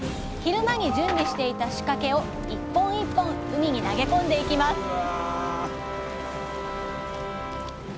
昼間に準備していた仕掛けを一本一本海に投げ込んでいきます